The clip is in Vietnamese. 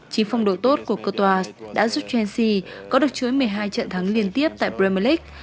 chính phong độ tốt của cottois đã giúp chelsea có được chối một mươi hai trận thắng liên tiếp tại premier league